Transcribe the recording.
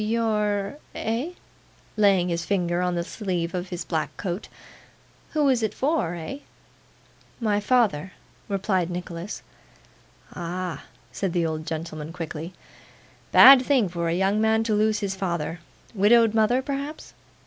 'You're Eh?' laying his finger on the sleeve of his black coat. 'Who's it for, eh?' 'My father,' replied Nicholas. 'Ah!' said the old gentleman quickly. 'Bad thing for a young man to lose his father. Widowed mother, perhaps?